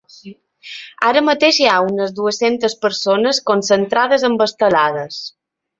Ara mateix hi ha unes dues-centes persones concentrades amb estelades.